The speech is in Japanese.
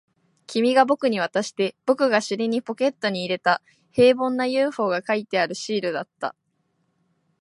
君が僕に渡して、僕が尻にポケットに入れた、平凡な ＵＦＯ が描いてあるシールだった